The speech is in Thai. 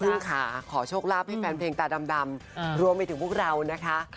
ซึ่งค่ะขอโชคลาภให้แฟนเพลงตาดำรวมไปถึงพวกเรานะคะ